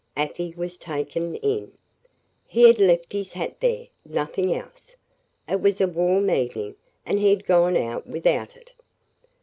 Afy was taken in. "He had left his hat there nothing else. It was a warm evening, and he had gone out without it."